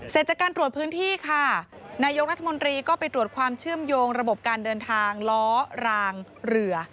เสร็จจากการตรวจพื้นที่ค่ะนายกรัฐมนตรีก็ไปตรวจความเชื่อมโยงระบบการเดินทางล้อรางเรือ